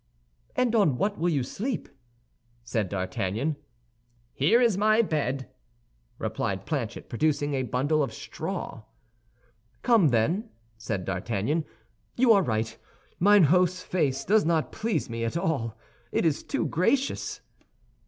"And on what will you sleep?" said D'Artagnan. "Here is my bed," replied Planchet, producing a bundle of straw. "Come, then," said D'Artagnan, "you are right. Mine host's face does not please me at all; it is too gracious."